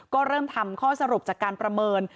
ก็เริ่มทำข้อสรุปจากการประเมิน